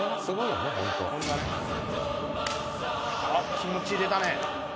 気持ち入れたね。